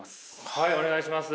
はいお願いします。